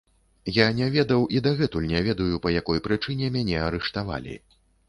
Я не ведаў і дагэтуль не ведаю, па якой прычыне мяне арыштавалі.